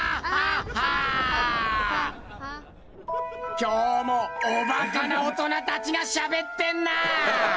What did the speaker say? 今日もおバカな大人たちがしゃべってんな！